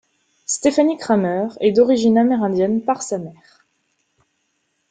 Stepfanie Kramer est d'origine amérindienne par sa mère.